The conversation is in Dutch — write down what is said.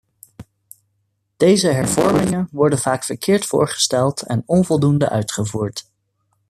Deze hervormingen worden vaak verkeerd voorgesteld en onvoldoende uitgevoerd.